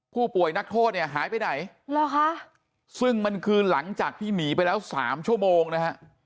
ผู้ป่วยนักโทษเนี่ยหายไปไหนหรอคะซึ่งมันคือหลังจากที่หนีไปแล้วสามชั่วโมงนะฮะ